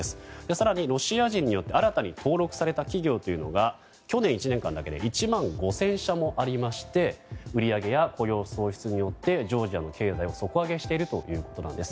更にロシア人によって新たに登録された企業というのが去年１年間だけで１万５０００社もありまして売り上げや雇用創出によってジョージアの経済を底上げしているということなんです。